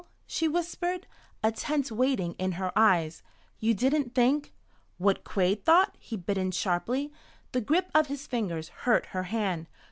she whispered, a tense waiting in her eyes. "You didn't think " "What Quade thought," he bit in sharply. The grip of his fingers hurt her hand.